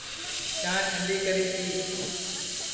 چاں ٹنڈی کری پی